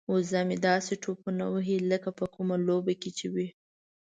وزه مې داسې ټوپونه وهي لکه په کومه لوبه کې چې وي.